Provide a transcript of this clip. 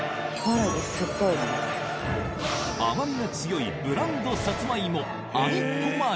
甘みが強いブランドサツマイモ